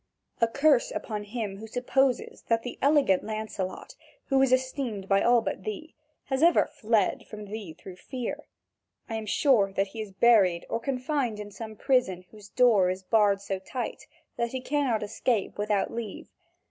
A curse upon him who supposes that the elegant Lancelot, who is esteemed by all but thee, has ever fled from thee through fear. I am sure that he is buried or confined in some prison whose door is barred so tight that he cannot escape without leave.